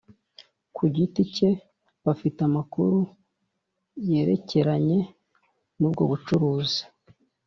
Ku giti cye bafite amakuru yerekeranye nubwo bucuruzi